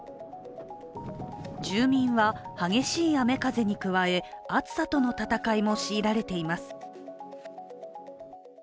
住民は激しい雨風に加え暑さとの戦いも強いられています。